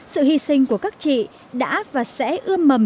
sự hy sinh của các chị đã và sẽ ưa mầm